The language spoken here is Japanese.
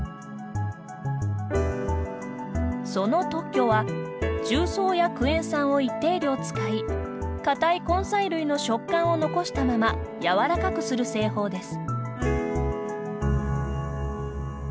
その特許は重曹やクエン酸を一定量使い固い根菜類の食感を残したまま柔らかくする製法です。